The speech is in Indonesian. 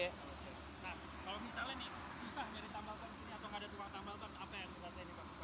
nah kalau misalnya nih susah nyari tambal ban disini atau nggak ada tukang tambal kan apa yang bisa diambil